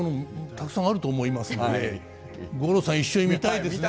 たくさんあると思いますので五郎さん一緒に見たいですね。